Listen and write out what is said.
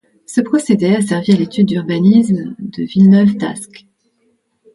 Ce procédé a servi à l'étude d'urbanisme de Villeneuve-d'Ascq.